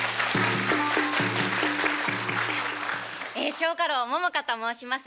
蝶花楼桃花と申します。